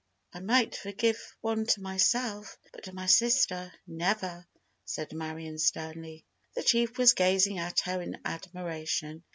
"I might forgive one to myself, but to my sister, never!" said Marion, sternly. The chief was gazing at her in admiration.